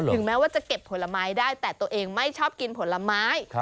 แม้ว่าจะเก็บผลไม้ได้แต่ตัวเองไม่ชอบกินผลไม้